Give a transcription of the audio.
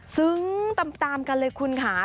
ซึ้งตามกันเลยคุณค่ะ